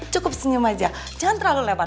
cukup senyum aja jangan terlalu lebar